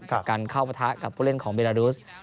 กับการเข้าประทะกับเบลารุส